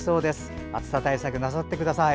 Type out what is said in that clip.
暑さ対策なさってください。